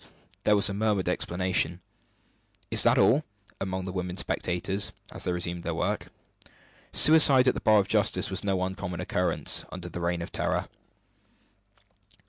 There was a murmuring exclamation, "Is that all?" among the women spectators, as they resumed their work. Suicide at the bar of justice was no uncommon occurrence, under the Reign of Terror.